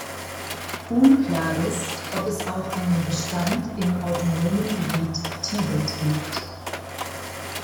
Unklar ist, ob es auch einen Bestand im Autonomen Gebiet Tibet gibt.